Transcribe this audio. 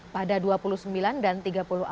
pada dua puluh sembilan dan tiga puluh april